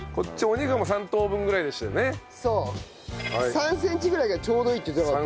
３センチぐらいがちょうどいいって言ってなかった？